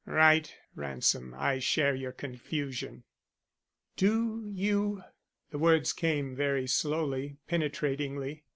"Right, Ransom, I share your confusion." "Do you?" The words came very slowly, penetratingly.